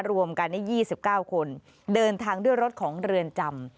รวมกันใน๒๙คนเดินทางด้วยรถของเรือนจำ